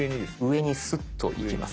上にスッといきます。